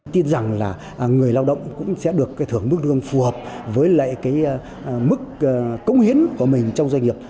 tin rằng là người lao động cũng sẽ được cái thưởng mức lương phù hợp với lại cái mức công hiến của mình trong doanh nghiệp